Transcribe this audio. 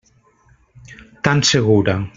Tan segura.